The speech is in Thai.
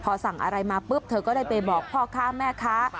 พอสั่งอะไรมาปุ๊บเธอก็ได้ไปบอกพ่อค้าแม่ค้า